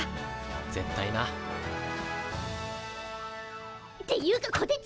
絶対な。っていうかこてち！